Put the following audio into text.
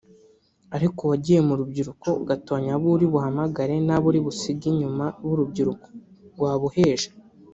Ariko wagiye mu rubyiruko ugatoranya abo uri buhamagare n’abo uri busige inyuma b’urubyiruko [waba uheje]